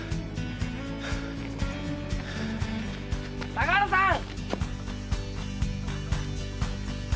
・高原さん！